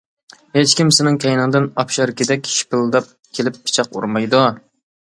ھېچكىم سېنىڭ كەينىڭدىن ئاپشاركىدەك شىپىلداپ كېلىپ پىچاق ئۇرمايدۇ.